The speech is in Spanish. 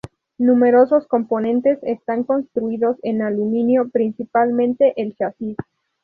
Numerosos componentes están construidos en aluminio, principalmente el chasis.